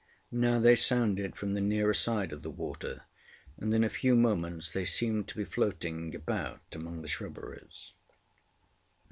Now they sounded from the nearer side of the water, and in a few moments they seemed to be floating about among the shrubberies.